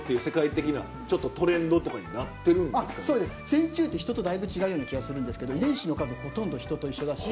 線虫ってヒトとだいぶ違うような気がするんですけど遺伝子の数ほとんどヒトと一緒だし。